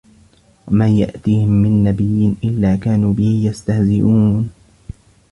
وَما يَأتيهِم مِن نَبِيٍّ إِلّا كانوا بِهِ يَستَهزِئونَ